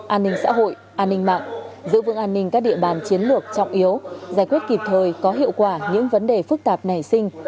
an ninh xã hội an ninh mạng giữ vững an ninh các địa bàn chiến lược trọng yếu giải quyết kịp thời có hiệu quả những vấn đề phức tạp nảy sinh